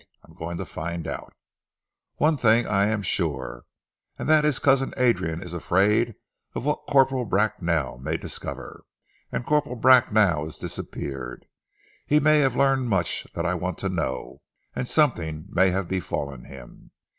I am going to find out. Of one thing I am sure, and that is that cousin Adrian is afraid of what Corporal Bracknell may discover. And Corporal Bracknell has disappeared. He may have learned much that I want to know, and something may have befallen him.